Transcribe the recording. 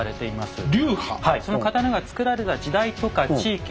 はいその刀が作られた時代とか地域